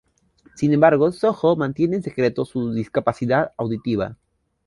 Sin embargo, Soo-ho mantiene en secreto su discapacidad auditiva.